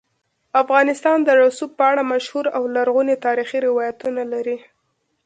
افغانستان د رسوب په اړه مشهور او لرغوني تاریخی روایتونه لري.